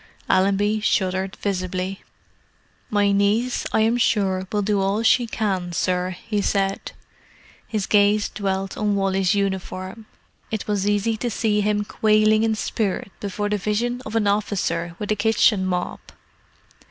Allenby shuddered visibly. "My niece, I am sure, will do all she can, sir," he said. His gaze dwelt on Wally's uniform; it was easy to see him quailing in spirit before the vision of an officer with a kitchen mop.